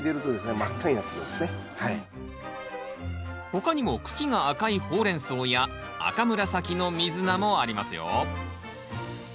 他にも茎が赤いホウレンソウや赤紫のミズナもありますよ。